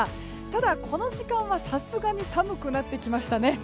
ただ、この時間はさすがに寒くなってきましたね。